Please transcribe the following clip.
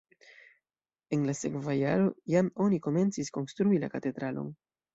En la sekva jaro jam oni komencis konstrui la katedralon.